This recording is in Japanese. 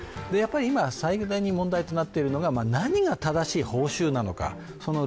今、最大の問題となっているのは、何が正しい報酬なのか。